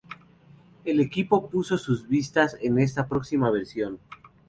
El equipo puso sus vistas en esta próxima versión.